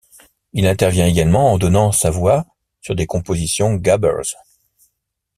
Il intervient également en donnant sa voix sur des compositions gabbers.